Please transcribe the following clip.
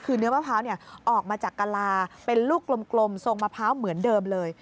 คือเนื้อมะพร้าวออกมาจากกะลาเป็นลูกกลมทรงมะพร้าวเหมือนเดิมเลย